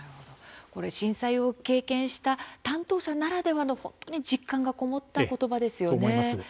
震災を経験した担当者ならではの本当に実感のこもった言葉ですよね。